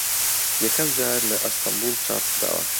یەکەم جار لە ئەستەمبوڵ چاپ کراوە